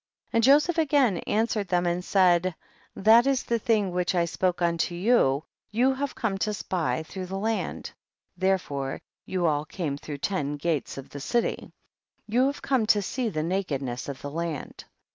24. And Joseph again answered them and said, that is the thing which I spoke unto you, you have come to spy through the land, therefore you all came through ten gates of the 11 city ; you have come to sec the na kedness of the land.